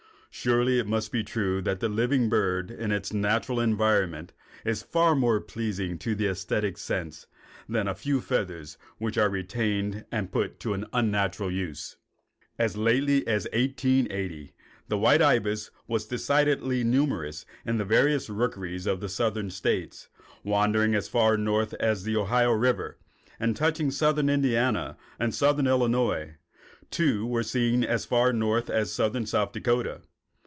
Surely it must be true that the living bird in its natural environment is far more pleasing to the æsthetic sense than the few feathers which are retained and put to an unnatural use. As lately as 1880 the white ibis was decidedly numerous in the various rookeries of the southern states, wandering as far north as the Ohio river, and touching southern Indiana and southern Illinois. Two were seen as far north as southern South Dakota.